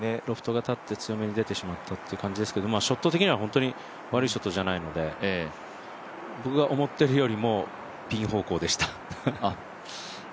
ロフトが立って強めに出てしまったという感じですけどショット的には本当に悪いショットじゃないので僕が思ってるよりもピン方向でした。